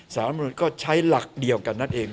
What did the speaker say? สารรัฐมนุนก็ใช้หลักเดียวกันนั่นเอง